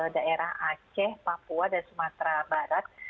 daerah aceh papua dan sumatera barat